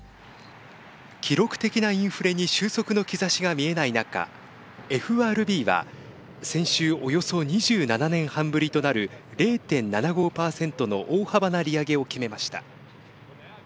記録的なインフレに収束の兆しが見えない中ＦＲＢは先週およそ２７年半ぶりとなる０．７５％の大幅な利上げを決めました。